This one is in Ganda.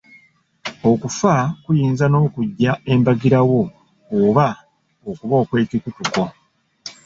Okufa kuyinza n'okujja embagirawo oba okuba okw'ekikutuko